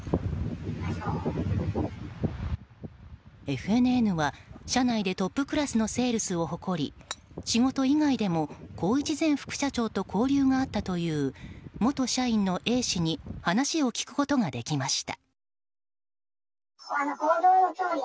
ＦＮＮは社内でトップクラスのセールスを誇り仕事以外でも宏一前副社長と交流があったという元社員のＡ氏に話を聞くことができました。